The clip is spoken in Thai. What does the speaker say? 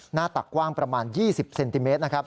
หน้าตากกว้างประมาณ๒๐เซนติเมตร